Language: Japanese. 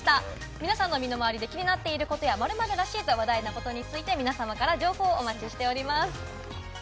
皆さんの身の回りで気になっていること、「〇〇らしい」と話題になっていることなど、情報をお待ちしています。